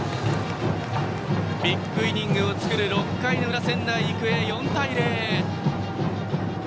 ビッグイニングを作る６回の裏仙台育英、４対０。